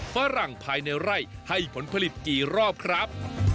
ฝรั่งภายในไร่ให้ผลผลิตกี่รอบครับ